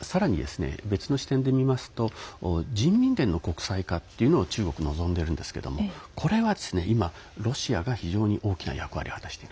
さらに、別の視点で見ますと人民元の国際化というのを中国は望んでいるんですけどもこれはロシアが非常に大きな役割を果たしている。